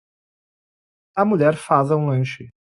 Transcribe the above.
A mulher faza um lanche.